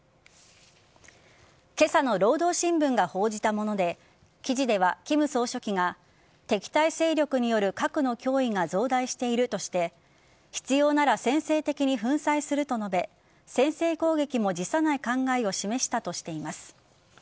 今朝の労働新聞が報じたもので記事では、金総書記が敵対勢力による核の脅威が増大しているとして必要なら先制的に粉砕すると述べ先制攻撃も辞さない考えを示したとしています。